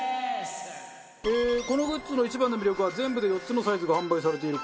このグッズの一番の魅力は全部で４つのサイズが販売されている事。